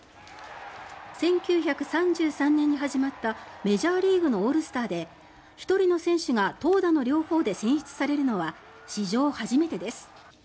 １９３３年に始まったメジャーリーグのオールスターで１人の選手が投打の両方で選出されるのは史上初めてです。